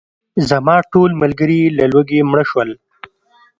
زما ټول ملګري له لوږې مړه شول.